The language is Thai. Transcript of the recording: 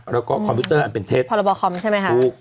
แล้วก็คอมพิวเตอร์อันเป็นเท็จพรบคอมใช่ไหมคะถูก